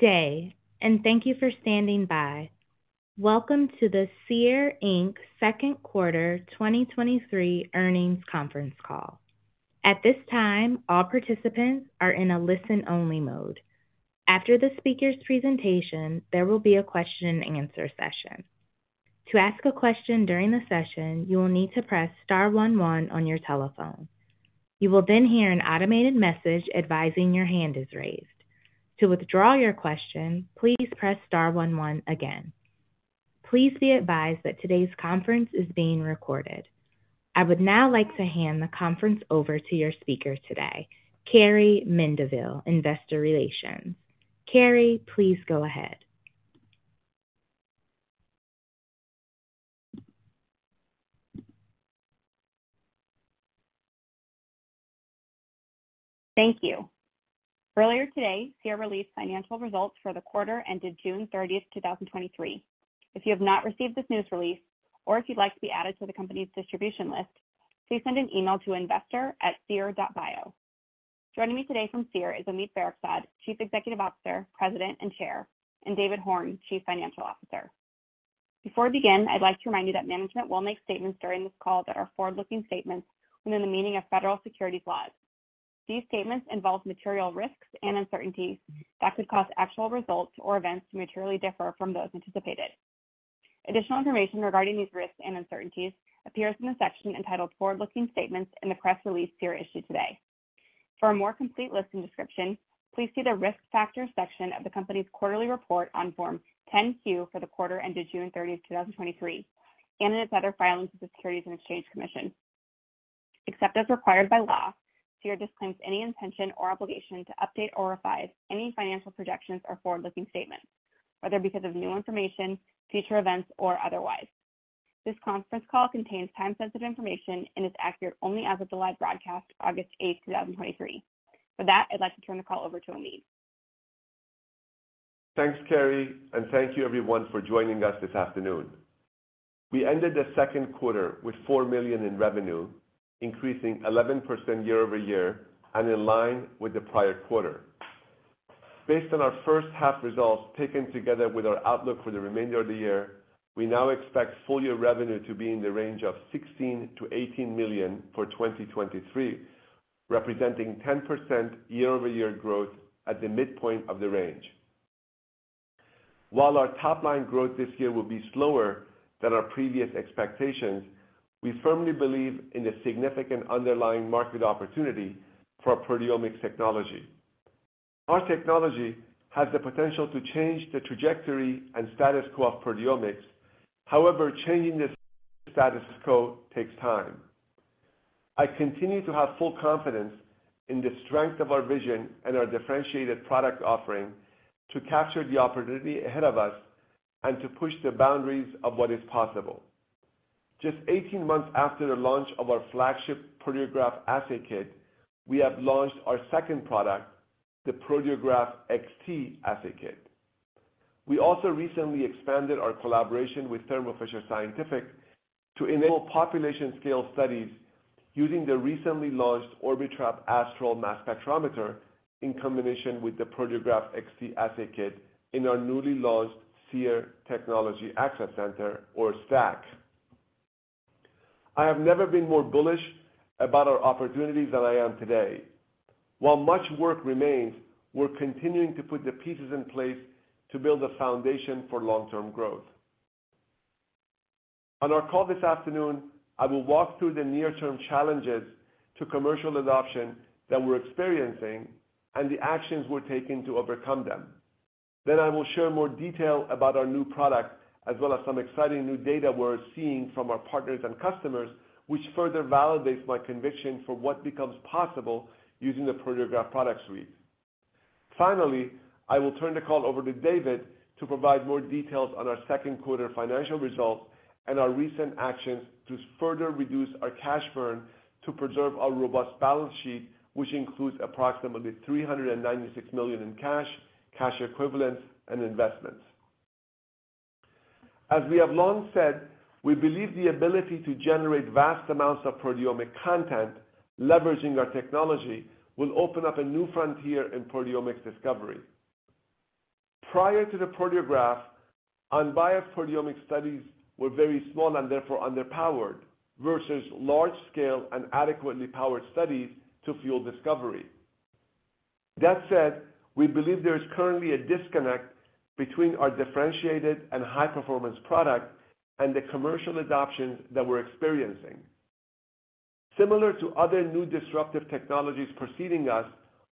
Good day, and thank you for standing by. Welcome to the Seer Second Quarter 2023 Earnings Conference Call. At this time, all participants are in a listen-only mode. After the speaker's presentation, there will be a question-and-answer session. To ask a question during the session, you will need to press star one one on your telephone. You will then hear an automated message advising your hand is raised. To withdraw your question, please press star one one again. Please be advised that today's conference is being recorded. I would now like to hand the conference over to your speaker today, Carrie Mendivil, Investor Relations. Carrie, please go ahead. Thank you. Earlier today, Seer released financial results for the quarter ended June 30th, 2023. If you have not received this news release, or if you'd like to be added to the company's distribution list, please send an email to investor@seer.bio. Joining me today from Seer is Omid Farokhzad, Chief Executive Officer, President, and Chair, and David Horn, Chief Financial Officer. Before we begin, I'd like to remind you that management will make statements during this call that are forward-looking statements within the meaning of federal securities laws. These statements involve material risks and uncertainties that could cause actual results or events to materially differ from those anticipated. Additional information regarding these risks and uncertainties appears in the section entitled Forward-Looking Statements in the press release Seer issued today. For a more complete list and description, please see the Risk Factors section of the company's quarterly report on Form 10-Q for the quarter ended June 30th, 2023, and in its other filings with the Securities and Exchange Commission. Except as required by law, Seer disclaims any intention or obligation to update or revise any financial projections or forward-looking statements, whether because of new information, future events, or otherwise. This conference call contains time-sensitive information and is accurate only as of the live broadcast, August 8th, 2023. For that, I'd like to turn the call over to Omid. Thanks, Carrie. Thank you everyone for joining us this afternoon. We ended the second quarter with $4 million in revenue, increasing 11% year-over-year and in line with the prior quarter. Based on our first half results, taken together with our outlook for the remainder of the year, we now expect full-year revenue to be in the range of $16 million-$18 million for 2023, representing 10% year-over-year growth at the midpoint of the range. While our top-line growth this year will be slower than our previous expectations, we firmly believe in the significant underlying market opportunity for our proteomics technology. Our technology has the potential to change the trajectory and status quo of proteomics. However, changing the status quo takes time. I continue to have full confidence in the strength of our vision and our differentiated product offering to capture the opportunity ahead of us and to push the boundaries of what is possible. Just 18 months after the launch of our flagship Proteograph Assay Kit, we have launched our second product, the Proteograph XT Assay Kit. We also recently expanded our collaboration with Thermo Fisher Scientific to enable population scale studies using the recently launched Orbitrap Astral Mass Spectrometer in combination with the Proteograph XT Assay Kit in our newly launched Seer Technology Access Center or STAC. I have never been more bullish about our opportunity than I am today. While much work remains, we're continuing to put the pieces in place to build a foundation for long-term growth. On our call this afternoon, I will walk through the near-term challenges to commercial adoption that we're experiencing and the actions we're taking to overcome them. I will share more detail about our new product, as well as some exciting new data we're seeing from our partners and customers, which further validates my conviction for what becomes possible using the Proteograph Product Suite. I will turn the call over to David to provide more details on our second quarter financial results and our recent actions to further reduce our cash burn to preserve our robust balance sheet, which includes approximately $396 million in cash, cash equivalents, and investments. As we have long said, we believe the ability to generate vast amounts of proteomic content, leveraging our technology, will open up a new frontier in proteomics discovery. Prior to the Proteograph, unbiased proteomic studies were very small and therefore underpowered versus large-scale and adequately powered studies to fuel discovery. That said, we believe there is currently a disconnect between our differentiated and high-performance product and the commercial adoptions that we're experiencing. Similar to other new disruptive technologies preceding us,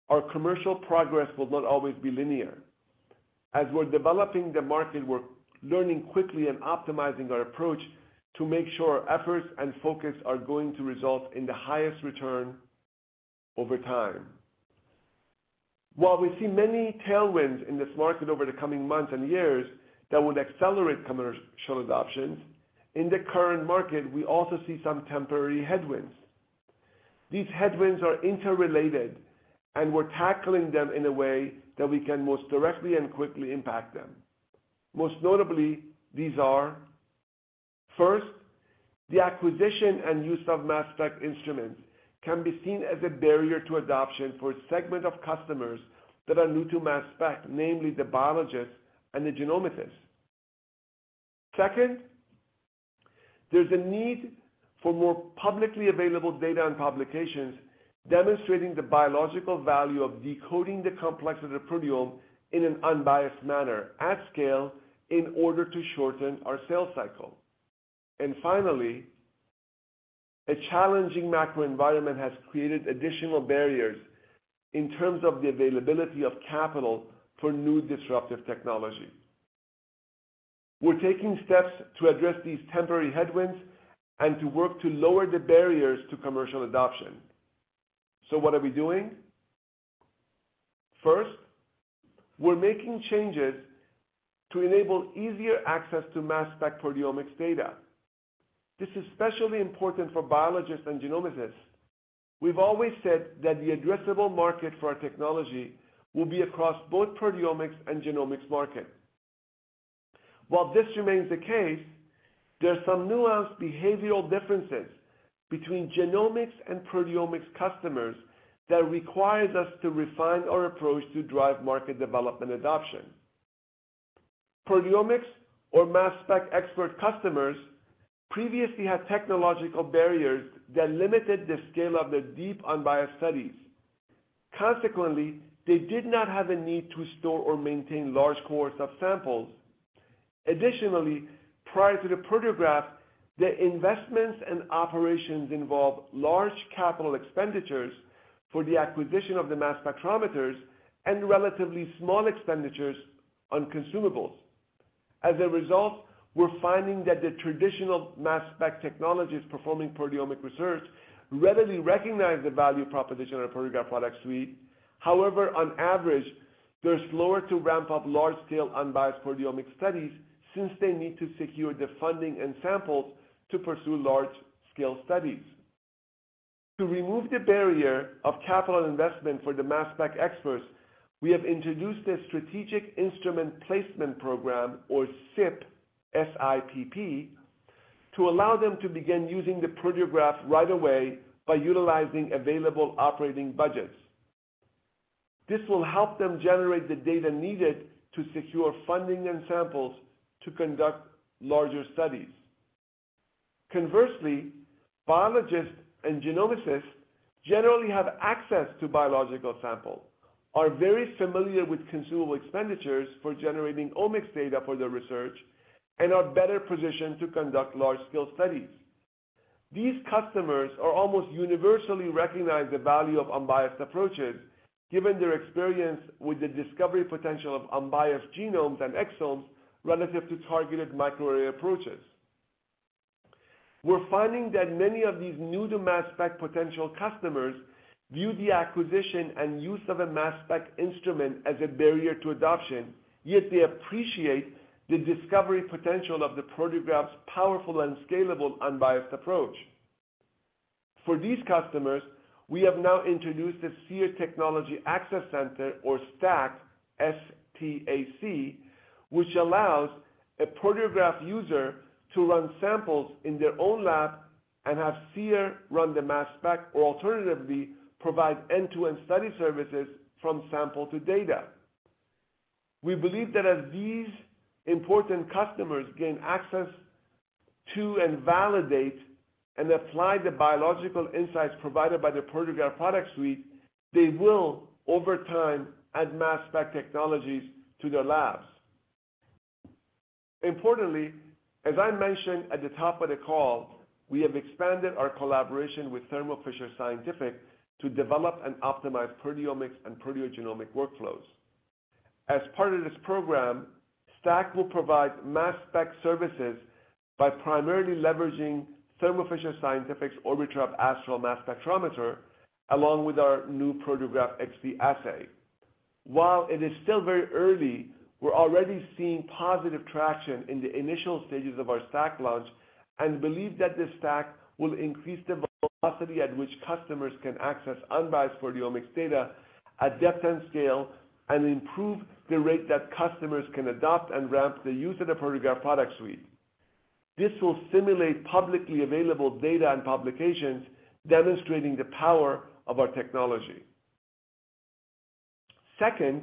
our commercial progress will not always be linear. As we're developing the market, we're learning quickly and optimizing our approach to make sure our efforts and focus are going to result in the highest return over time. While we see many tailwinds in this market over the coming months and years that would accelerate commercial adoptions, in the current market, we also see some temporary headwinds. These headwinds are interrelated, and we're tackling them in a way that we can most directly and quickly impact them. Most notably, these are:... First, the acquisition and use of mass spec instruments can be seen as a barrier to adoption for a segment of customers that are new to mass spec, namely the biologists and the genomicists. Second, there's a need for more publicly available data and publications demonstrating the biological value of decoding the complexity of the proteome in an unbiased manner, at scale, in order to shorten our sales cycle. Finally, a challenging macro environment has created additional barriers in terms of the availability of capital for new disruptive technology. We're taking steps to address these temporary headwinds and to work to lower the barriers to commercial adoption. What are we doing? First, we're making changes to enable easier access to mass spec proteomics data. This is especially important for biologists and genomicists. We've always said that the addressable market for our technology will be across both proteomics and genomics market. While this remains the case, there are some nuanced behavioral differences between genomics and proteomics customers that requires us to refine our approach to drive market development adoption. Proteomics or mass spec expert customers previously had technological barriers that limited the scale of their deep, unbiased studies. Consequently, they did not have a need to store or maintain large cohorts of samples. Additionally, prior to the Proteograph, their investments and operations involved large capital expenditures for the acquisition of the mass spectrometers and relatively small expenditures on consumables. As a result, we're finding that the traditional mass spec technologies performing proteomic research readily recognize the value proposition of our Proteograph Product Suite. However, on average, they're slower to ramp up large-scale, unbiased proteomic studies since they need to secure the funding and samples to pursue large-scale studies. To remove the barrier of capital investment for the mass spec experts, we have introduced a strategic instrument placement program, or SIPP, S-I-P-P, to allow them to begin using the Proteograph right away by utilizing available operating budgets. This will help them generate the data needed to secure funding and samples to conduct larger studies. Conversely, biologists and genomicists generally have access to biological samples, are very familiar with consumable expenditures for generating omics data for their research, and are better positioned to conduct large-scale studies. These customers are almost universally recognize the value of unbiased approaches, given their experience with the discovery potential of unbiased genomes and exomes relative to targeted microarray approaches. We're finding that many of these new-to-mass spec potential customers view the acquisition and use of a mass spec instrument as a barrier to adoption, yet they appreciate the discovery potential of the Proteograph's powerful and scalable, unbiased approach. For these customers, we have now introduced a Seer Technology Access Center, or STAC, S-T-A-C, which allows a Proteograph user to run samples in their own lab and have Seer run the mass spec, or alternatively, provide end-to-end study services from sample to data. We believe that as these important customers gain access to, and validate, and apply the biological insights provided by the Proteograph Product Suite, they will, over time, add mass spec technologies to their labs. Importantly, as I mentioned at the top of the call, we have expanded our collaboration with Thermo Fisher Scientific to develop and optimize proteomics and proteogenomics workflows. As part of this program, STAC will provide mass spec services by primarily leveraging Thermo Fisher Scientific's Orbitrap Astral Mass Spectrometer, along with our new Proteograph XT Assay. While it is still very early, we're already seeing positive traction in the initial stages of our STAC launch and believe that the STAC will increase the velocity at which customers can access unbiased proteomics data at depth and scale, and improve the rate that customers can adopt and ramp the use of the Proteograph Product Suite. This will simulate publicly available data and publications demonstrating the power of our technology. Second,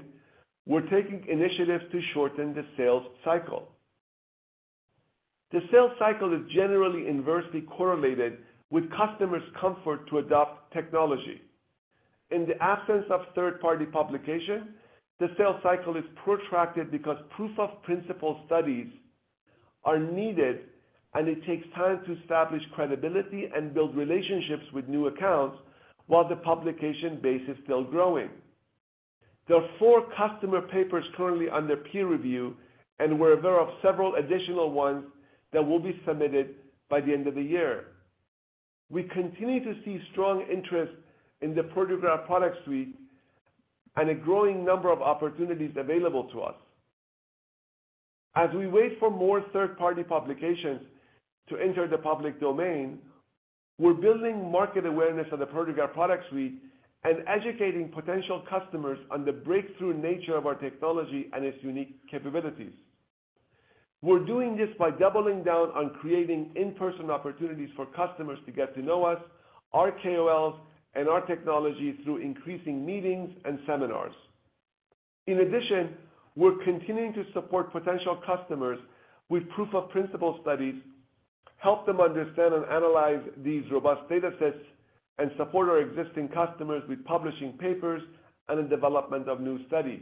we're taking initiatives to shorten the sales cycle. The sales cycle is generally inversely correlated with customers' comfort to adopt technology. In the absence of third-party publication, the sales cycle is protracted because proof of principle studies are needed, and it takes time to establish credibility and build relationships with new accounts while the publication base is still growing. There are four customer papers currently under peer review, and we're aware of several additional ones that will be submitted by the end of the year. We continue to see strong interest in the Proteograph Product Suite and a growing number of opportunities available to us. As we wait for more third-party publications to enter the public domain. We're building market awareness of the Proteograph Product Suite and educating potential customers on the breakthrough nature of our technology and its unique capabilities. We're doing this by doubling down on creating in-person opportunities for customers to get to know us, our KOLs, and our technology through increasing meetings and seminars. In addition, we're continuing to support potential customers with proof of principle studies, help them understand and analyze these robust data sets, and support our existing customers with publishing papers and the development of new studies.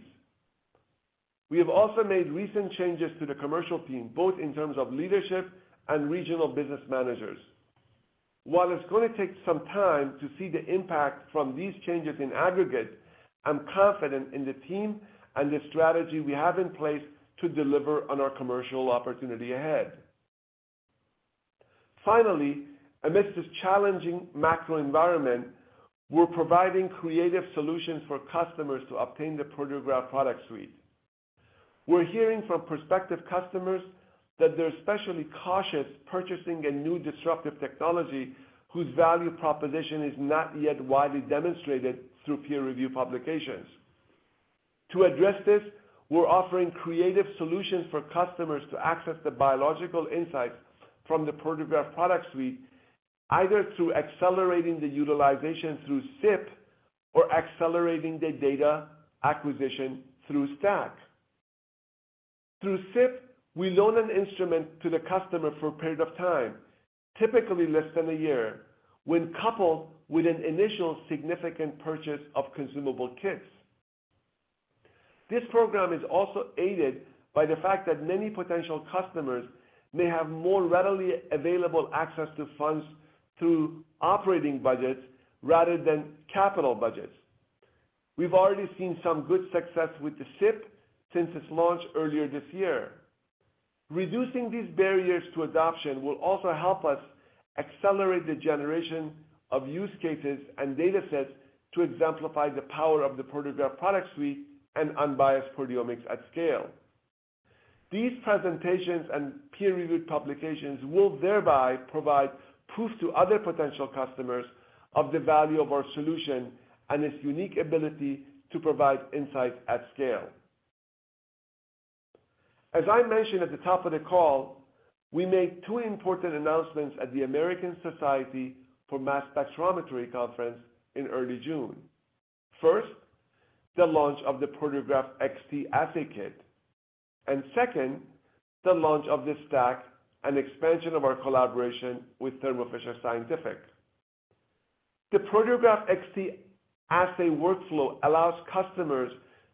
We have also made recent changes to the commercial team, both in terms of leadership and regional business managers. While it's gonna take some time to see the impact from these changes in aggregate, I'm confident in the team and the strategy we have in place to deliver on our commercial opportunity ahead. Finally, amidst this challenging macro environment, we're providing creative solutions for customers to obtain the Proteograph Product Suite. We're hearing from prospective customers that they're especially cautious purchasing a new disruptive technology whose value proposition is not yet widely demonstrated through peer review publications. To address this, we're offering creative solutions for customers to access the biological insights from the Proteograph Product Suite, either through accelerating the utilization through SIP or accelerating the data acquisition through STAC. Through SIP, we loan an instrument to the customer for a period of time, typically less than a year, when coupled with an initial significant purchase of consumable kits. This program is also aided by the fact that many potential customers may have more readily available access to funds through operating budgets rather than capital budgets. We've already seen some good success with the SIP since its launch earlier this year. Reducing these barriers to adoption will also help us accelerate the generation of use cases and datasets to exemplify the power of the Proteograph Product Suite and unbiased proteomics at scale. These presentations and peer-reviewed publications will thereby provide proof to other potential customers of the value of our solution and its unique ability to provide insights at scale. As I mentioned at the top of the call, we made two important announcements at the American Society for Mass Spectrometry conference in early June. First, the launch of the Proteograph XT Assay Kit, and second, the launch of the STAC and expansion of our collaboration with Thermo Fisher Scientific. The Proteograph XT Assay workflow allows customers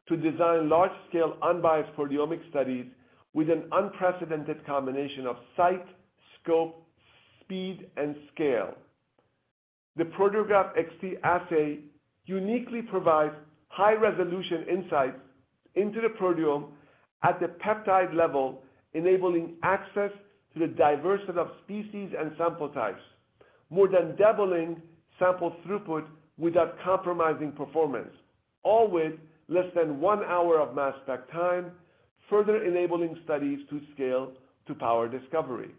to design large-scale, unbiased proteomic studies with an unprecedented combination of sight, scope, speed, and scale. The Proteograph XT Assay uniquely provides high-resolution insights into the proteome at the peptide level, enabling access to the diversity of species and sample types, more than doubling sample throughput without compromising performance, all with less than one hour of mass spec time, further enabling studies to scale to power discovery.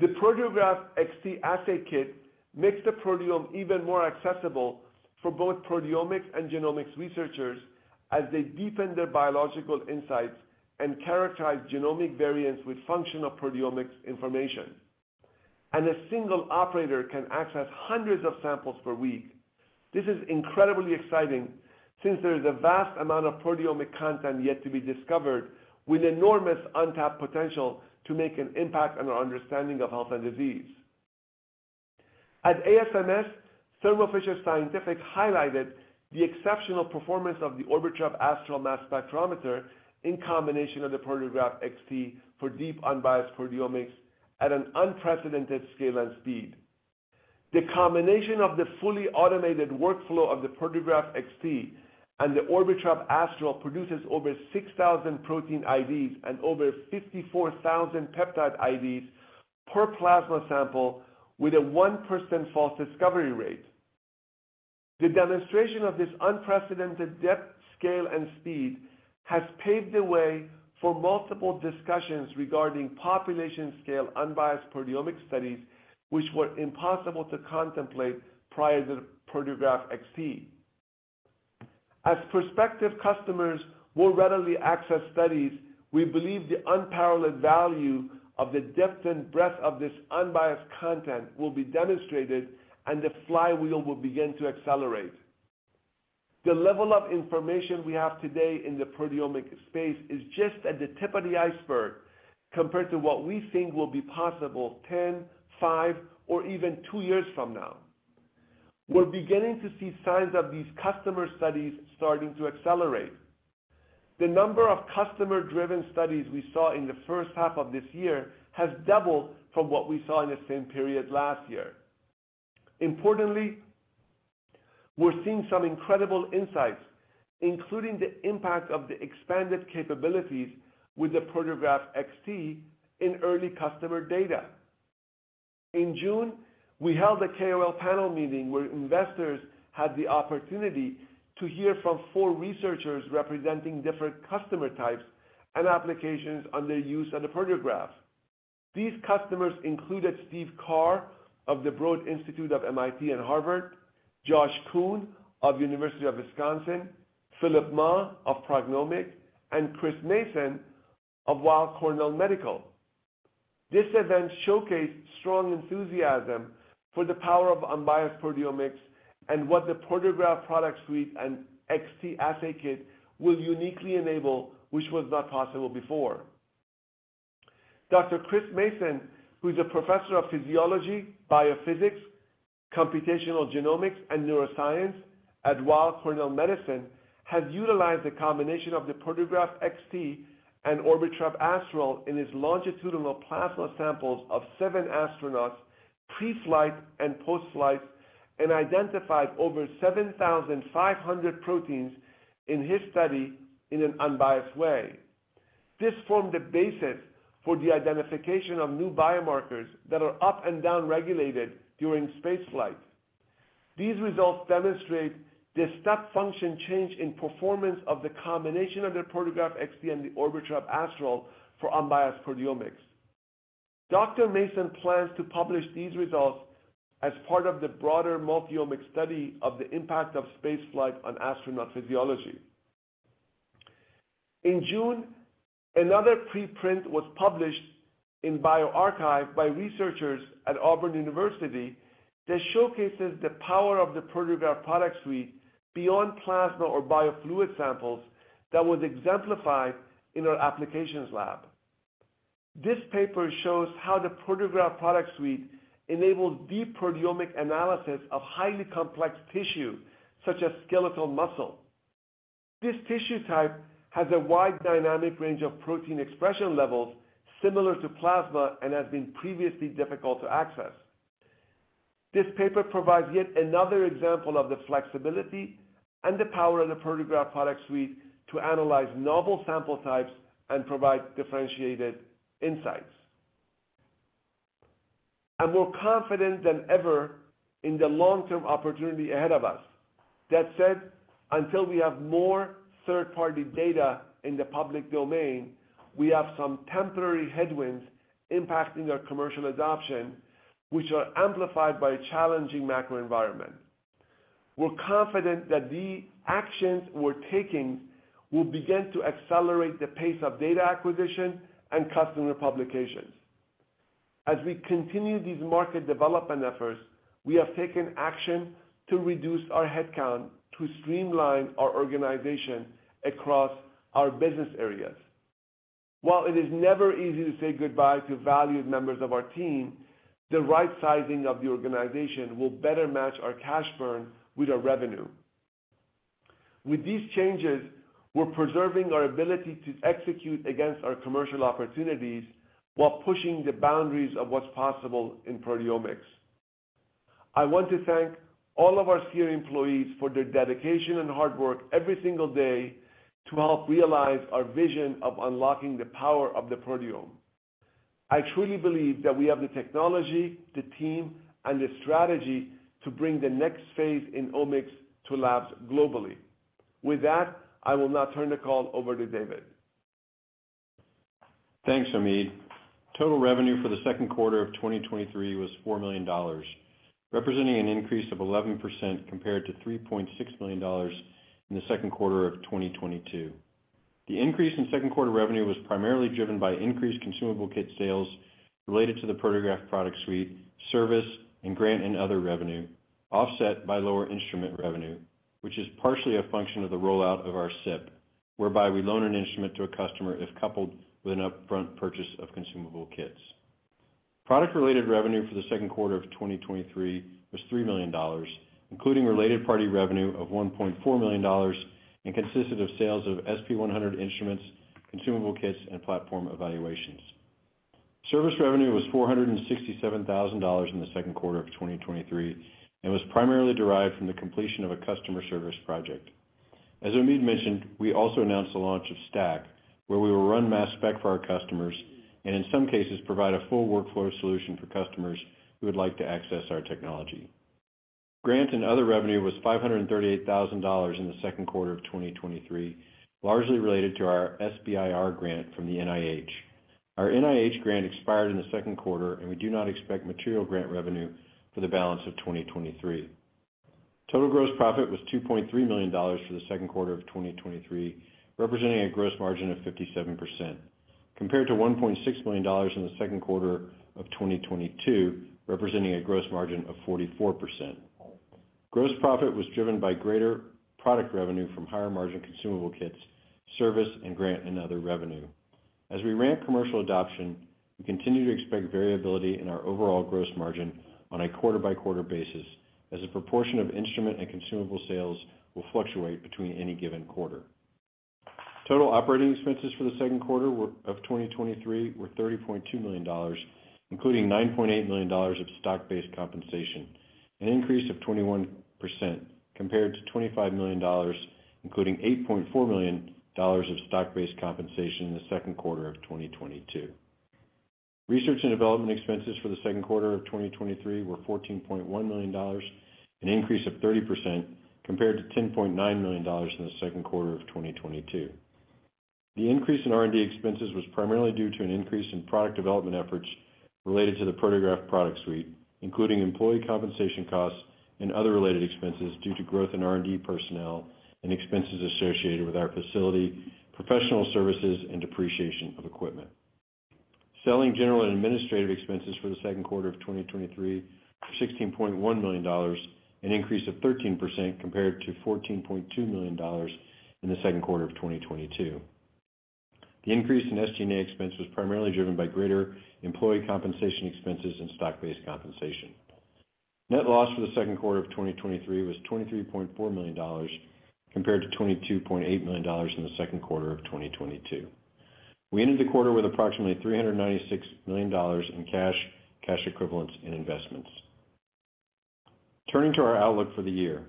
The Proteograph XT Assay Kit makes the proteome even more accessible for both proteomics and genomics researchers as they deepen their biological insights and characterize genomic variants with functional proteomics information. A single operator can access hundreds of samples per week. This is incredibly exciting, since there is a vast amount of proteomic content yet to be discovered, with enormous untapped potential to make an impact on our understanding of health and disease. At ASMS, Thermo Fisher Scientific highlighted the exceptional performance of the Orbitrap Astral Mass Spectrometer in combination of the Proteograph XT for deep, unbiased proteomics at an unprecedented scale and speed. The combination of the fully automated workflow of the Proteograph XT and the Orbitrap Astral produces over 6,000 protein IDs and over 54,000 peptide IDs per plasma sample with a 1% false discovery rate. The demonstration of this unprecedented depth, scale, and speed has paved the way for multiple discussions regarding population-scale, unbiased proteomic studies, which were impossible to contemplate prior to the Proteograph XT. As prospective customers more readily access studies, we believe the unparalleled value of the depth and breadth of this unbiased content will be demonstrated, and the flywheel will begin to accelerate. The level of information we have today in the proteomic space is just at the tip of the iceberg compared to what we think will be possible 10, five, or even two years from now. We're beginning to see signs of these customer studies starting to accelerate. The number of customer-driven studies we saw in the first half of this year has doubled from what we saw in the same period last year. Importantly, we're seeing some incredible insights, including the impact of the expanded capabilities with the Proteograph XT in early customer data. In June, we held a KOL panel meeting where investors had the opportunity to hear from four researchers representing different customer types and applications on the use of the Proteograph. These customers included Steve Carr of the Broad Institute of MIT and Harvard, Josh Coon of University of Wisconsin, Philip Ma of PrognomiQ, and Chris Mason of Weill Cornell Medical. This event showcased strong enthusiasm for the power of unbiased proteomics and what the Proteograph Product Suite and XT assay kit will uniquely enable, which was not possible before. Dr. Chris Mason, who is a professor of physiology, biophysics, computational genomics, and neuroscience at Weill Cornell Medicine, has utilized a combination of the Proteograph XT and Orbitrap Astral in his longitudinal plasma samples of seven astronauts, pre-flight and post-flight, and identified over 7,500 proteins in his study in an unbiased way. This formed the basis for the identification of new biomarkers that are up and down-regulated during spaceflight. These results demonstrate the step function change in performance of the combination of the Proteograph XT and the Orbitrap Astral for unbiased proteomics. Dr. Mason plans to publish these results as part of the broader multi-omics study of the impact of spaceflight on astronaut physiology. In June, another preprint was published in bioRxiv by researchers at Auburn University that showcases the power of the Proteograph Product Suite beyond plasma or biofluid samples that was exemplified in our applications lab. This paper shows how the Proteograph Product Suite enables deep proteomic analysis of highly complex tissue, such as skeletal muscle. This tissue type has a wide dynamic range of protein expression levels similar to plasma and has been previously difficult to access. This paper provides yet another example of the flexibility and the power of the Proteograph Product Suite to analyze novel sample types and provide differentiated insights. I'm more confident than ever in the long-term opportunity ahead of us. That said, until we have more third-party data in the public domain, we have some temporary headwinds impacting our commercial adoption, which are amplified by a challenging macro environment. We're confident that the actions we're taking will begin to accelerate the pace of data acquisition and customer publications. As we continue these market development efforts, we have taken action to reduce our headcount to streamline our organization across our business areas. While it is never easy to say goodbye to valued members of our team, the right sizing of the organization will better match our cash burn with our revenue. With these changes, we're preserving our ability to execute against our commercial opportunities while pushing the boundaries of what's possible in proteomics. I want to thank all of our Seer employees for their dedication and hard work every single day to help realize our vision of unlocking the power of the proteome. I truly believe that we have the technology, the team, and the strategy to bring the next phase in omics to labs globally. With that, I will now turn the call over to David. Thanks, Omid. Total revenue for the second quarter of 2023 was $4 million, representing an increase of 11% compared to $3.6 million in the second quarter of 2022. The increase in second quarter revenue was primarily driven by increased consumable kit sales related to the Proteograph Product Suite, service, and grant, and other revenue, offset by lower instrument revenue, which is partially a function of the rollout of our SIP, whereby we loan an instrument to a customer if coupled with an upfront purchase of consumable kits. Product-related revenue for the second quarter of 2023 was $3 million, including related party revenue of $1.4 million, and consisted of sales of SP100 instruments, consumable kits, and platform evaluations. Service revenue was $467,000 in the second quarter of 2023 and was primarily derived from the completion of a customer service project. As Omid mentioned, we also announced the launch of STAC, where we will run mass spec for our customers, and in some cases, provide a full workflow solution for customers who would like to access our technology. Grant and other revenue was $538,000 in the second quarter of 2023, largely related to our SBIR grant from the NIH. Our NIH grant expired in the second quarter, and we do not expect material grant revenue for the balance of 2023. Total gross profit was $2.3 million for the second quarter of 2023, representing a gross margin of 57%, compared to $1.6 million in the second quarter of 2022, representing a gross margin of 44%. Gross profit was driven by greater product revenue from higher-margin consumable kits, service, and grant, and other revenue. As we ramp commercial adoption, we continue to expect variability in our overall gross margin on a quarter-by-quarter basis, as a proportion of instrument and consumable sales will fluctuate between any given quarter. Total operating expenses for the second quarter of 2023 were $30.2 million, including $9.8 million of stock-based compensation, an increase of 21%, compared to $25 million, including $8.4 million of stock-based compensation in the second quarter of 2022. Research and development expenses for the second quarter of 2023 were $14.1 million, an increase of 30% compared to $10.9 million in the second quarter of 2022. The increase in R&D expenses was primarily due to an increase in product development efforts related to the Proteograph Product Suite, including employee compensation costs and other related expenses due to growth in R&D personnel and expenses associated with our facility, professional services, and depreciation of equipment. Selling general and administrative expenses for the second quarter of 2023, $16.1 million, an increase of 13% compared to $14.2 million in the second quarter of 2022. The increase in SG&A expense was primarily driven by greater employee compensation expenses and stock-based compensation. Net loss for the second quarter of 2023 was $23.4 million, compared to $22.8 million in the second quarter of 2022. We ended the quarter with approximately $396 million in cash, cash equivalents, and investments. Turning to our outlook for the year.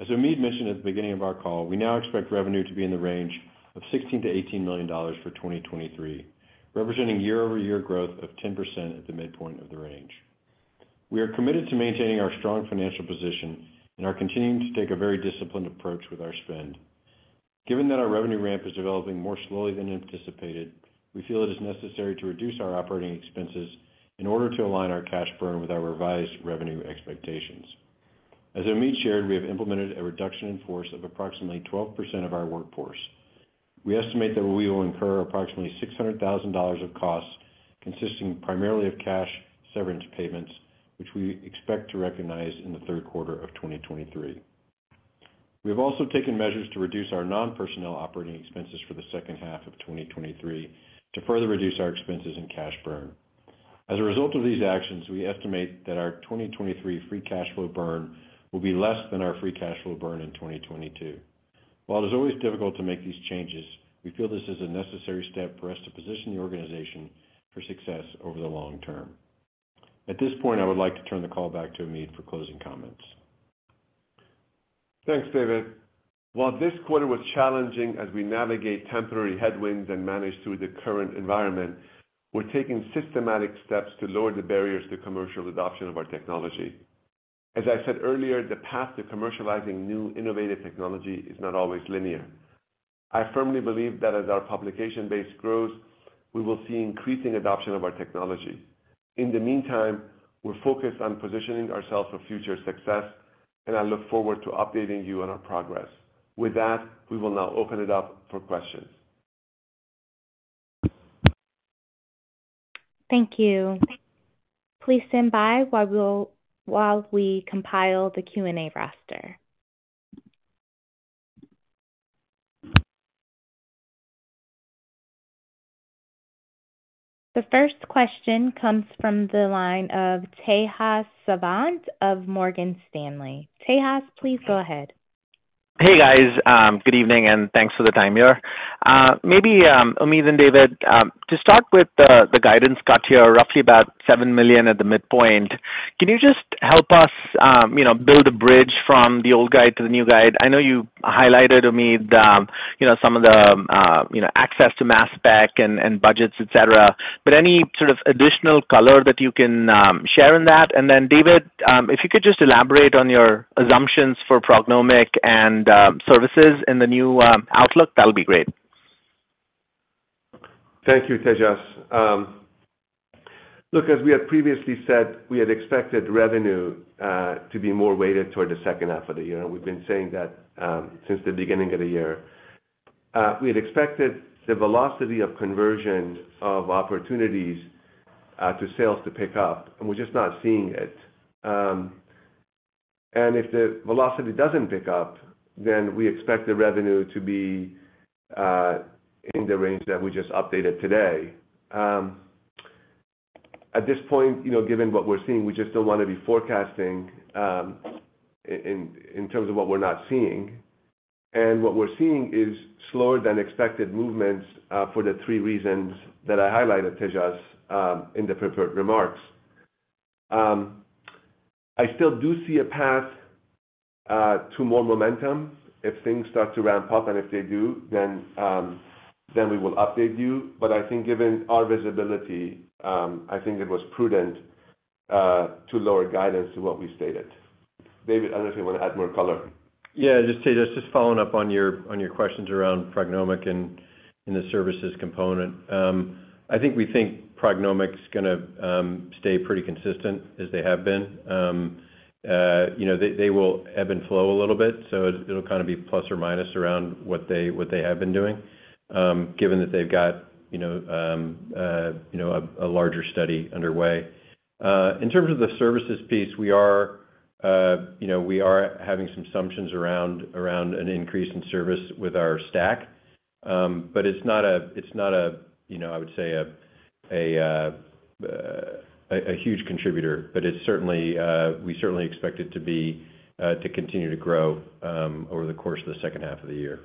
As Omid mentioned at the beginning of our call, we now expect revenue to be in the range of $16 million-$18 million for 2023, representing year-over-year growth of 10% at the midpoint of the range. We are committed to maintaining our strong financial position and are continuing to take a very disciplined approach with our spend. Given that our revenue ramp is developing more slowly than anticipated, we feel it is necessary to reduce our operating expenses in order to align our cash burn with our revised revenue expectations. As Omid shared, we have implemented a reduction in force of approximately 12% of our workforce. We estimate that we will incur approximately $600,000 of costs, consisting primarily of cash severance payments, which we expect to recognize in the third quarter of 2023. We have also taken measures to reduce our non-personnel operating expenses for the second half of 2023 to further reduce our expenses and cash burn. As a result of these actions, we estimate that our 2023 free cash flow burn will be less than our free cash flow burn in 2022. While it's always difficult to make these changes, we feel this is a necessary step for us to position the organization for success over the long term. At this point, I would like to turn the call back to Omid for closing comments. Thanks, David. While this quarter was challenging as we navigate temporary headwinds and manage through the current environment, we're taking systematic steps to lower the barriers to commercial adoption of our technology. As I said earlier, the path to commercializing new innovative technology is not always linear. I firmly believe that as our publication base grows, we will see increasing adoption of our technology. In the meantime, we're focused on positioning ourselves for future success, and I look forward to updating you on our progress. With that, we will now open it up for questions. Thank you. Please stand by while we compile the Q&A roster. The first question comes from the line of Tejas Savant of Morgan Stanley. Tejas, please go ahead. Hey, guys, good evening, and thanks for the time here. Maybe, Omid and David, to start with the guidance cut here, roughly about $7 million at the midpoint, can you just help us, you know, build a bridge from the old guide to the new guide? I know you highlighted, Omid, you know, some of the, you know, access to mass spec and budgets, et cetera, but any sort of additional color that you can share on that? And then, David, if you could just elaborate on your assumptions for PrognomiQ and services in the new outlook, that would be great. Thank you, Tejas. Look, as we had previously said, we had expected revenue to be more weighted toward the second half of the year, and we've been saying that since the beginning of the year. We had expected the velocity of conversion of opportunities to sales to pick up, and we're just not seeing it. If the velocity doesn't pick up, then we expect the revenue to be in the range that we just updated today. At this point, you know, given what we're seeing, we just don't want to be forecasting in terms of what we're not seeing. What we're seeing is slower than expected movements for the three reasons that I highlighted, Tejas, in the prepared remarks. I still do see a path to more momentum if things start to ramp up, and if they do, then, then we will update you. I think given our visibility, I think it was prudent to lower guidance to what we stated. David, I don't know if you want to add more color. Yeah, just Tejas, just following up on your, on your questions around PrognomiQ and, and the services component. I think we think PrognomiQ's gonna stay pretty consistent as they have been. You know, they, they will ebb and flow a little bit, so it, it'll kinda be plus or minus around what they, what they have been doing, given that they've got, you know, a larger study underway. In terms of the services piece, we are, you know, we are having some assumptions around, around an increase in service with our STAC. It's not a, it's not a, you know, I would say, a huge contributor, but it's certainly, we certainly expect it to be, to continue to grow, over the course of the second half of the year.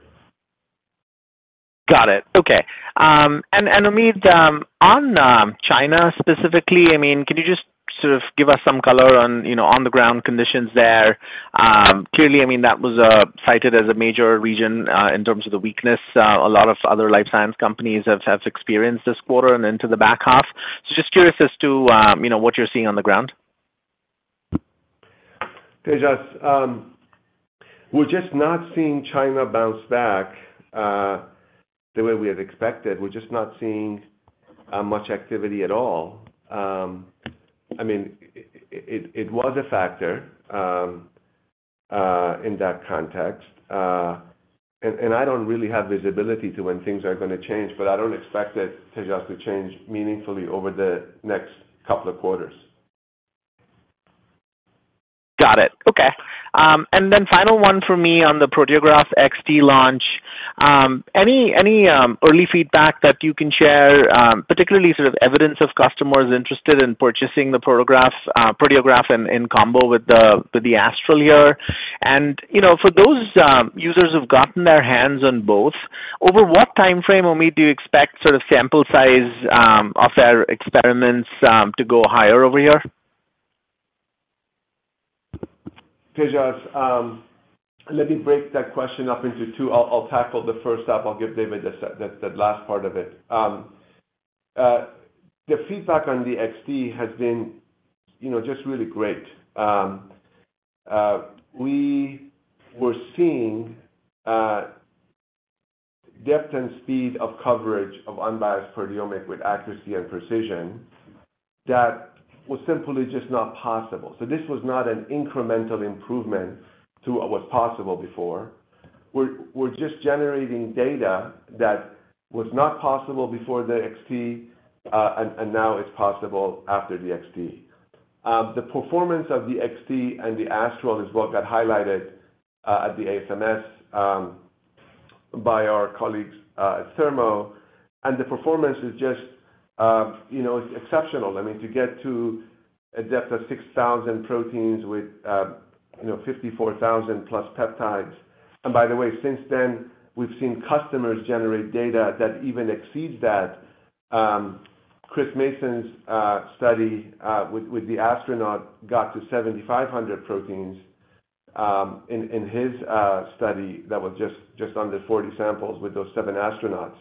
Got it. Okay. And, and Omid, on China specifically, I mean, can you sort of give us some color on, you know, on-the-ground conditions there. Clearly, I mean, that was cited as a major region in terms of the weakness a lot of other life science companies have, have experienced this quarter and into the back half. So just curious as to, you know, what you're seeing on the ground. Tejas, we're just not seeing China bounce back, the way we had expected. We're just not seeing much activity at all. I mean, it was a factor in that context. And I don't really have visibility to when things are gonna change, but I don't expect it, Tejas, to change meaningfully over the next couple of quarters. Got it. Okay. Then final one for me on the Proteograph XT launch. Any, any, early feedback that you can share, particularly sort of evidence of customers interested in purchasing the Proteograph, Proteograph in, in combo with the, with the Astral here? You know, for those, users who've gotten their hands on both, over what time frame, Omid, do you expect sort of sample size, of their experiments, to go higher over here? Tejas, let me break that question up into two. I'll, I'll tackle the first half. I'll give David the last part of it. The feedback on the XT has been, you know, just really great. We were seeing depth and speed of coverage of unbiased proteomics with accuracy and precision that was simply just not possible. This was not an incremental improvement to what was possible before. We're, we're just generating data that was not possible before the XT, and now it's possible after the XT. The performance of the XT and the Astral is what got highlighted at the ASMS by our colleagues at Thermo. The performance is just, you know, exceptional. I mean, to get to a depth of 6,000 proteins with, you know, 54,000+ peptides. By the way, since then, we've seen customers generate data that even exceeds that. Chris Mason's study with the astronaut got to 7,500 proteins in his study that was just under 40 samples with those seven astronauts.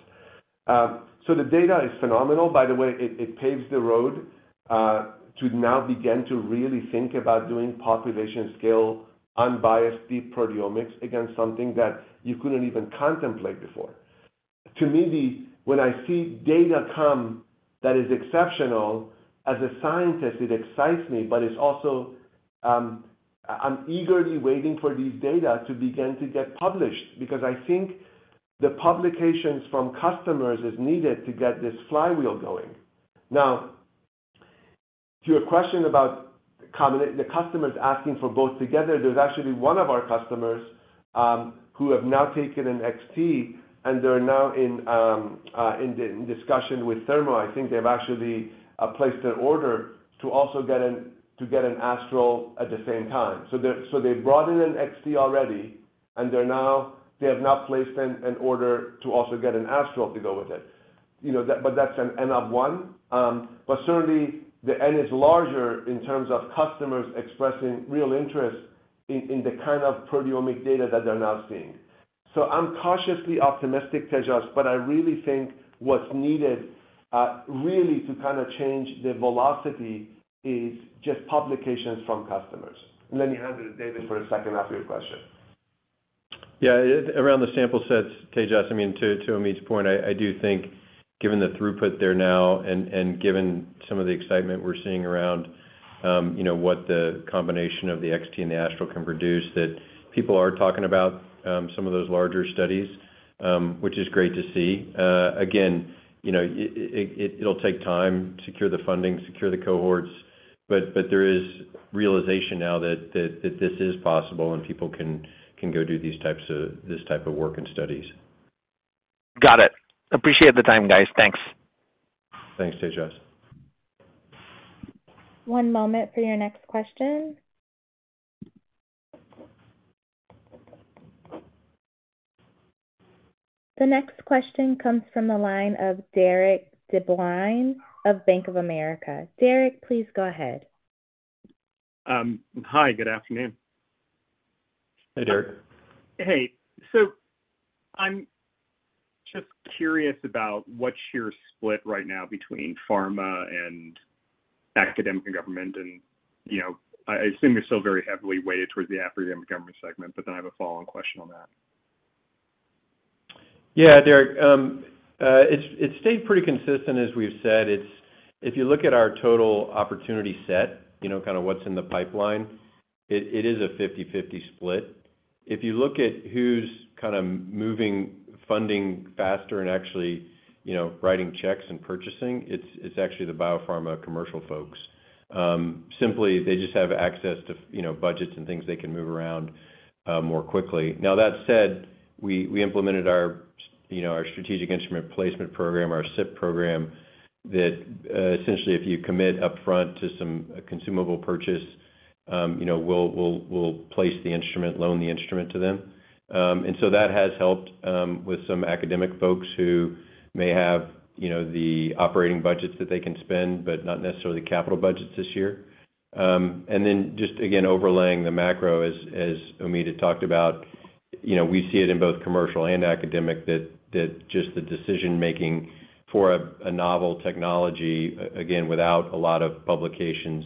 The data is phenomenal. By the way, it paves the road to now begin to really think about doing population-scale, unbiased, deep proteomics against something that you couldn't even contemplate before. To me, when I see data come that is exceptional, as a scientist, it excites me, but it's also, I'm eagerly waiting for these data to begin to get published, because I think the publications from customers is needed to get this flywheel going. Now, to your question about combi- the customers asking for both together, there's actually one of our customers, who have now taken an XT, and they're now in, in the discussion with Thermo. I think they've actually, placed an order to also get an, to get an Astral at the same time. They've brought in an XT already, and they're now, they have now placed an, an order to also get an Astral to go with it. You know, that, but that's an N of one. Certainly, the N is larger in terms of customers expressing real interest in, in the kind of proteomic data that they're now seeing. I'm cautiously optimistic, Tejas, but I really think what's needed, really to kind of change the velocity is just publications from customers. Let me hand it to David for a second half of your question. Around the sample sets, Tejas, I mean, to, to Omid's point, I, I do think given the throughput there now and, and given some of the excitement we're seeing around, you know, what the combination of the XT and the Astral can produce, that people are talking about, some of those larger studies, which is great to see. Again, you know, it'll take time to secure the funding, secure the cohorts, but, but there is realization now that, that, that this is possible and people can, can go do these this type of work and studies. Got it. Appreciate the time, guys. Thanks. Thanks, Tejas. One moment for your next question. The next question comes from the line of Derik De Bruin of Bank of America. Derik, please go ahead. Hi, good afternoon. Hi, Derek. Hey. I'm just curious about what's your split right now between pharma and academic and government and, you know, I, I assume you're still very heavily weighted towards the academic government segment, but then I have a follow-on question on that. Yeah, Derek, it's, it's stayed pretty consistent, as we've said. It's. If you look at our total opportunity set, you know, kind of what's in the pipeline, it, it is a 50/50 split. If you look at who's kind of moving funding faster and actually, you know, writing checks and purchasing, it's, it's actually the biopharma commercial folks. Simply, they just have access to, you know, budgets and things they can move around more quickly. Now, that said, we, we implemented our, you know, our strategic instrument placement program, our SIP program, that essentially, if you commit upfront to some consumable purchase, you know, we'll, we'll, we'll place the instrument, loan the instrument to them. So that has helped with some academic folks who may have, you know, the operating budgets that they can spend, but not necessarily capital budgets this year. Just again, overlaying the macro as, as Omid had talked about, you know, we see it in both commercial and academic, that, that just the decision-making for a, a novel technology, again, without a lot of publications,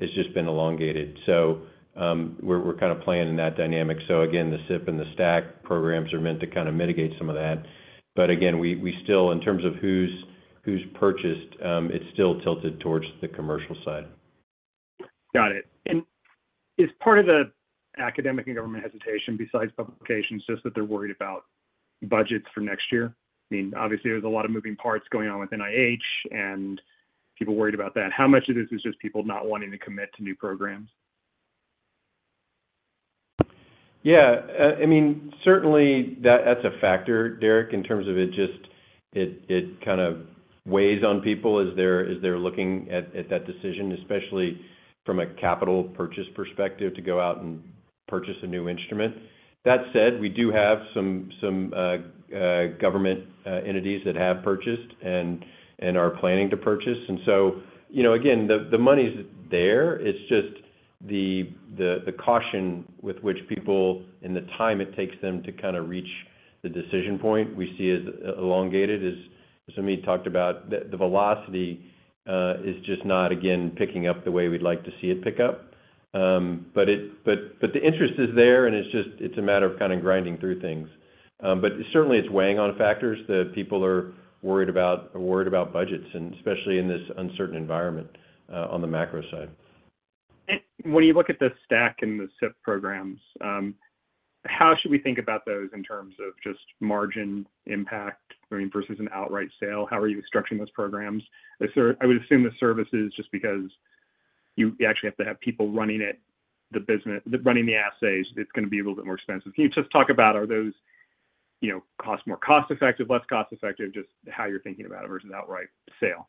has just been elongated. We're, we're kind of playing in that dynamic. Again, the SIP and the STAC programs are meant to kind of mitigate some of that. Again, we, we still, in terms of who's, who's purchased, it's still tilted towards the commercial side. Got it. Is part of the academic and government hesitation, besides publications, just that they're worried about budgets for next year? I mean, obviously, there's a lot of moving parts going on with NIH, and people are worried about that. How much of this is just people not wanting to commit to new programs? Yeah. I mean, certainly that's a factor, Derek, in terms of it just. It kind of weighs on people as they're, as they're looking at, at that decision, especially from a capital purchase perspective, to go out and purchase a new instrument. That said, we do have some, some government entities that have purchased and, and are planning to purchase. You know, again, the, the money's there, it's just the, the caution with which people, and the time it takes them to kind of reach the decision point, we see as elongated, as Omid talked about. The velocity is just not, again, picking up the way we'd like to see it pick up. The interest is there, and it's just, it's a matter of kind of grinding through things. Certainly, it's weighing on factors that people are worried about budgets, and especially in this uncertain environment, on the macro side. When you look at the STAC and the SIP programs, how should we think about those in terms of just margin impact, I mean, versus an outright sale? How are you structuring those programs? I would assume the services, just because you, you actually have to have people running it, running the assays, it's gonna be a little bit more expensive. Can you just talk about are those, you know, cost, more cost-effective, less cost-effective, just how you're thinking about it versus an outright sale?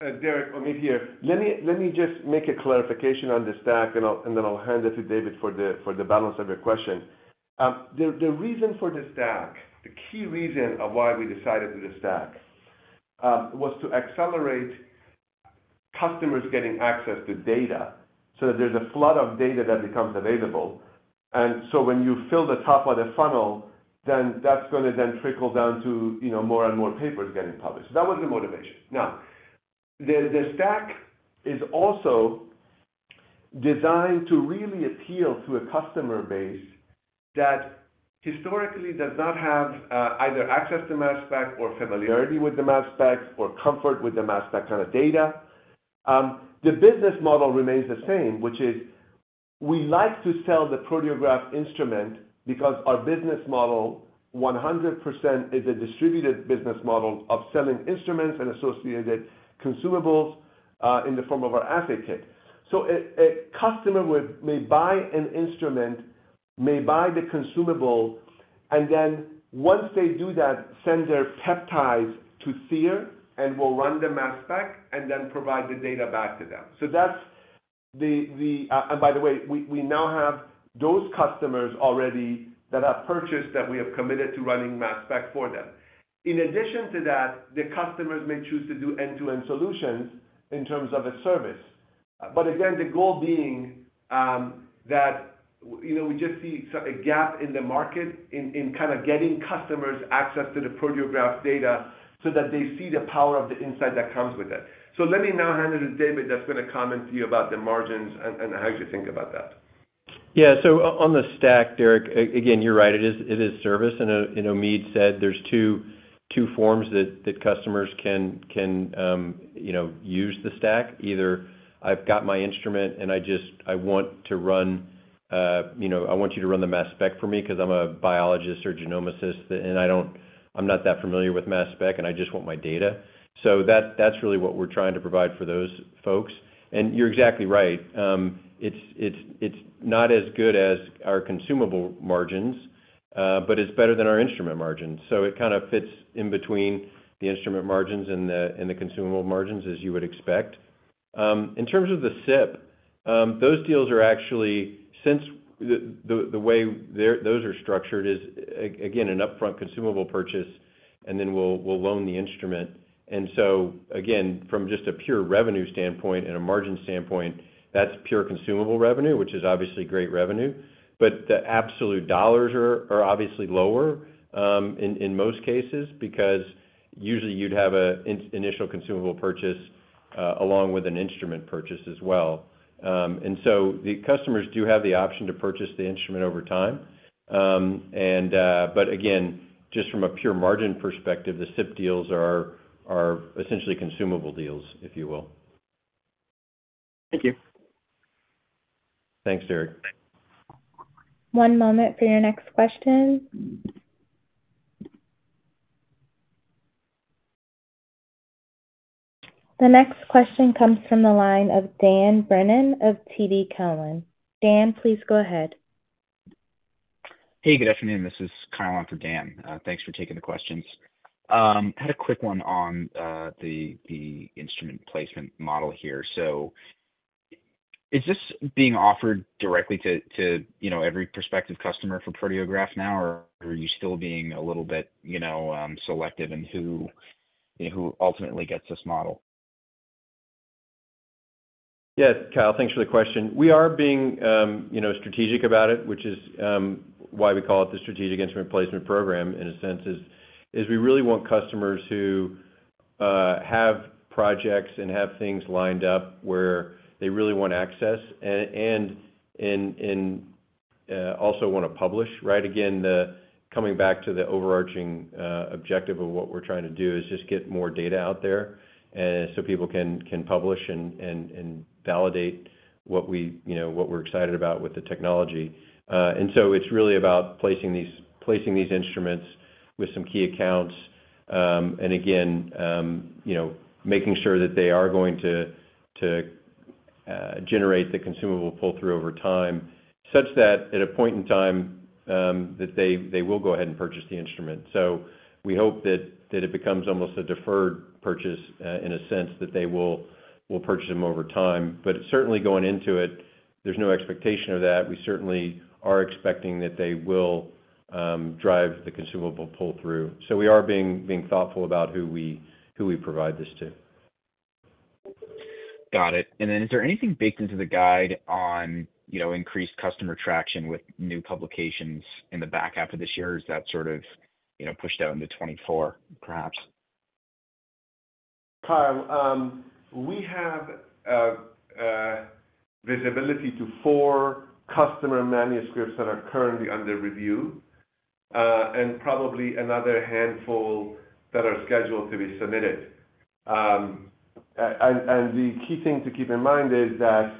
Derek, Omid here. Let me, let me just make a clarification on the STAC, and then I'll hand it to David for the, for the balance of your question. The, the reason for the STAC, the key reason of why we decided to do STAC, was to accelerate customers getting access to data, so that there's a flood of data that becomes available. When you fill the top of the funnel, then that's gonna then trickle down to, you know, more and more papers getting published. That was the motivation. The, the STAC is also designed to really appeal to a customer base that historically does not have, either access to mass spec or familiarity with the mass spec or comfort with the mass spec kind of data. The business model remains the same, which is: we like to sell the Proteograph instrument because our business model, 100%, is a distributed business model of selling instruments and associated consumables, in the form of our assay kit. A customer may buy an instrument, may buy the consumable, and then once they do that, send their peptides to Seer, and we'll run the mass spec and then provide the data back to them. By the way, we now have those customers already that have purchased, that we have committed to running mass spec for them. In addition to that, the customers may choose to do end-to-end solutions in terms of a service. Again, the goal being, that, you know, we just see a gap in the market in, in kind of getting customers access to the Proteograph data, so that they see the power of the insight that comes with it. Let me now hand it to David, that's gonna comment to you about the margins and, and how you should think about that. Yeah. On the STAC, Derek, again, you're right, it is, it is service. Omid said, there's two, two forms that customers can, you know, use the STAC. Either I've got my instrument and I just, I want to run, you know, I want you to run the mass spec for me 'cause I'm a biologist or genomicist, and I'm not that familiar with mass spec, and I just want my data. That, that's really what we're trying to provide for those folks. You're exactly right, it's, it's, it's not as good as our consumable margins, but it's better than our instrument margins. It kind of fits in between the instrument margins and the, and the consumable margins, as you would expect. In terms of the SIP, those deals are actually... Since the way those are structured is, again, an upfront consumable purchase, and then we'll, we'll loan the instrument. Again, from just a pure revenue standpoint and a margin standpoint, that's pure consumable revenue, which is obviously great revenue. The absolute dollars are, are obviously lower, in, in most cases, because usually you'd have an initial consumable purchase along with an instrument purchase as well. The customers do have the option to purchase the instrument over time. Again, just from a pure margin perspective, the SIP deals are, are essentially consumable deals, if you will. Thank you. Thanks, Derek. One moment for your next question. The next question comes from the line of Dan Brennan of TD Cowen. Dan, please go ahead. Hey, good afternoon. This is Kyle on for Dan. Thanks for taking the questions. Had a quick one on the, the instrument placement model here. So is this being offered directly to, to, you know, every prospective customer for Proteograph now, or are you still being a little bit, you know, selective in who, you know, who ultimately gets this model? Yeah, Kyle, thanks for the question. We are being, you know, strategic about it, which is, why we call it the strategic instrument placement program in a sense, is, is we really want customers who have projects and have things lined up where they really want access and, and, and, and, also wanna publish, right? Again, the... coming back to the overarching objective of what we're trying to do, is just get more data out there, so people can, can publish and, and, and validate what we, you know, what we're excited about with the technology. So it's really about placing these, placing these instruments with some key accounts. Again, you know, making sure that they are going to, to generate the consumable pull-through over time, such that at a point in time, that they, they will go ahead and purchase the instrument. We hope that, that it becomes almost a deferred purchase, in a sense that they will, will purchase them over time. Certainly going into it, there's no expectation of that. We certainly are expecting that they will, drive the consumable pull-through. We are being, being thoughtful about who we, who we provide this to. Got it. Then, is there anything baked into the guide on, you know, increased customer traction with new publications in the back half of this year? Is that sort of, you know, pushed out into 2024, perhaps? Kyle, we have visibility to four customer manuscripts that are currently under review, and probably another handful that are scheduled to be submitted. The key thing to keep in mind is that,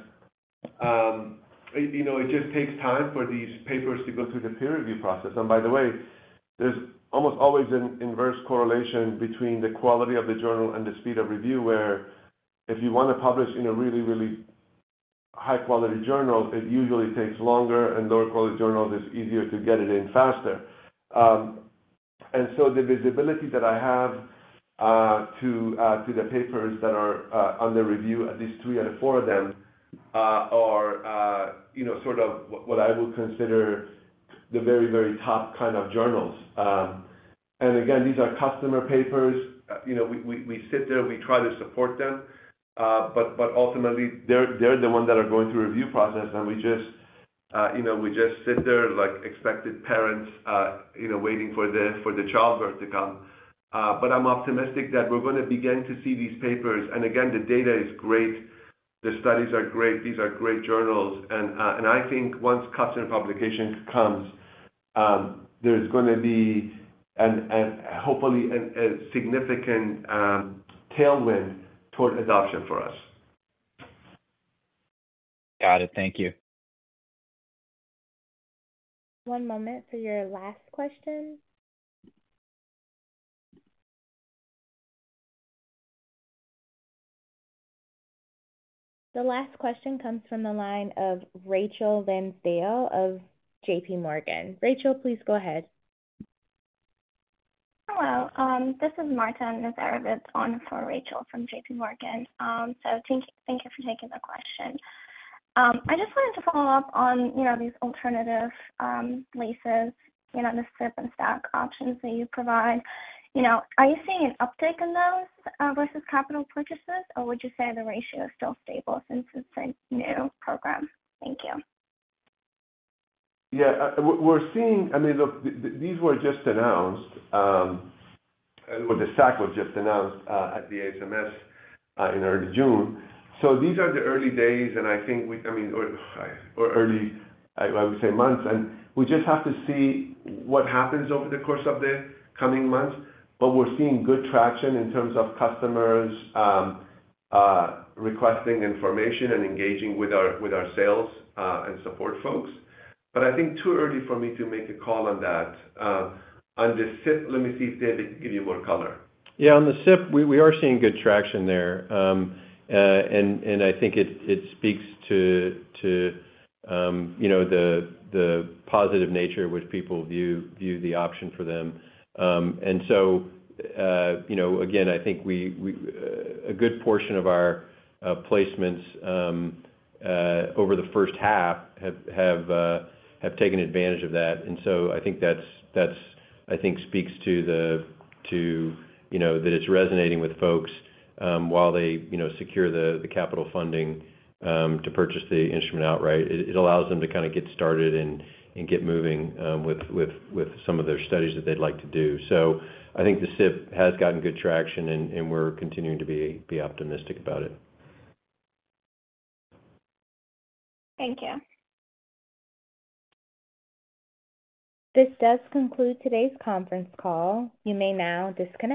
you know, it just takes time for these papers to go through the peer review process. By the way, there's almost always an inverse correlation between the quality of the journal and the speed of review, where if you wanna publish in a really, really high-quality journal, it usually takes longer, and lower-quality journal is easier to get it in faster. The visibility that I have to the papers that are under review, at least three out of four of them, are, you know, sort of what, what I would consider the very, very top kind of journals. Again, these are customer papers. You know, we, we, we sit there, we try to support them, but, but ultimately, they're, they're the ones that are going through review process, and we just, you know, we just sit there like expected parents, you know, waiting for the, for the childbirth to come. I'm optimistic that we're gonna begin to see these papers. Again, the data is great, the studies are great, these are great journals. And I think once customer publication comes, there's gonna be an, an hopefully, a, a significant, tailwind toward adoption for us. Got it. Thank you. One moment for your last question. The last question comes from the line of Rachel Vatnsdal of JPMorgan. Rachel, please go ahead. Hello, this is Marta Nazarovets, on for Rachel from JPMorgan. Thank, thank you for taking the question. I just wanted to follow up on, you know, these alternative leases, you know, the SIP and stock options that you provide. You know, are you seeing an uptick in those versus capital purchases, or would you say the ratio is still stable since it's a new program? Thank you. Yeah, we're seeing. I mean, look, these were just announced, well, the stock was just announced at the ASMS in early June. These are the early days, and I think, I mean, or early, I would say, months. We just have to see what happens over the course of the coming months. We're seeing good traction in terms of customers requesting information and engaging with our sales and support folks. I think too early for me to make a call on that. On the SIP, let me see if David can give you more color. Yeah, on the SIP, we, we are seeing good traction there. I think it, it speaks to, to, you know, the, the positive nature in which people view, view the option for them. So, you know, again, I think we, we, a good portion of our, placements, over the first half have, have, have taken advantage of that. So I think that's, that's, I think speaks to the, to, you know, that it's resonating with folks, while they, you know, secure the, the capital funding, to purchase the instrument outright. It, it allows them to kinda get started and, and get moving, with, with, with some of their studies that they'd like to do. So I think the SIP has gotten good traction, and, and we're continuing to be, be optimistic about it. Thank you. This does conclude today's conference call. You may now disconnect.